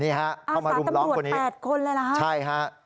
นี่ฮะเข้ามารุมร้องคนนี้ใช่ฮะอาสาตำรวจ๘คนเลยเหรอ